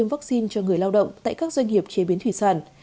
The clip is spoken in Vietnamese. vaccine cho người lao động tại các doanh nghiệp chế biến thủy sản